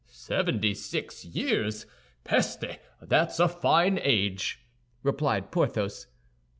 "Seventy six years! Peste! That's a fine age!" replied Porthos.